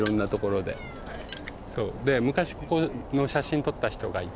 で昔ここの写真撮った人がいて。